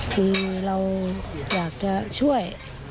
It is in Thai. คือเราอยากจะช่วย